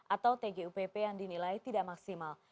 atau tgupp yang dinilai tidak maksimal